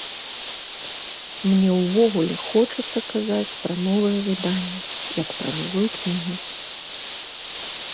Мне ўвогуле хочацца казаць пра новае выданне, як пра новую кнігу.